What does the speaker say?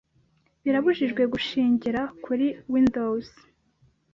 Birabujijwe gushingira kuri Windows.